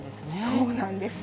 そうなんです。